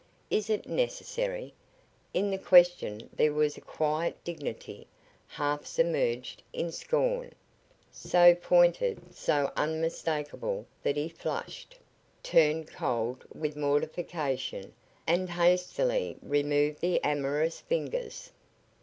Is it necessary?" In the question there was a quiet dignity, half submerged in scorn, so pointed, so unmistakable that he flushed, turned cold with mortification, and hastily removed the amorous fingers.